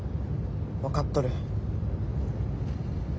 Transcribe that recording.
分かっとる。